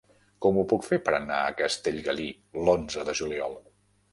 Com ho puc fer per anar a Castellgalí l'onze de juliol?